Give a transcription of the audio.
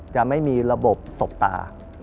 จะไม่มีระบบตบตา